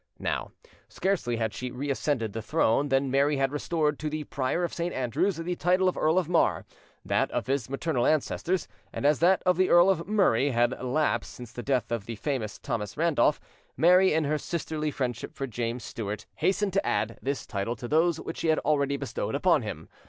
Now, scarcely had she reascended the throne than Mary had restored to the Prior of St. Andrews the title of Earl of Mar, that of his maternal ancestors, and as that of the Earl of Murray had lapsed since the death of the famous Thomas Randolph, Mary, in her sisterly friendship for James Stuart, hastened to add, this title to those which she had already bestowed upon him.